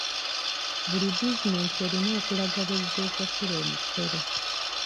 Buli bizinensi erina okulaga bw'ezze esasula omusolo.